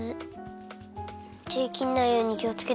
てきんないようにきをつけてください。